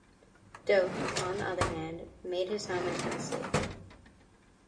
Doak, on the other hand, made his home in Tennessee.